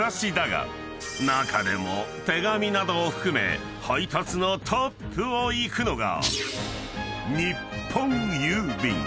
［中でも手紙などを含め配達のトップをいくのが］